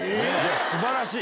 素晴らしい！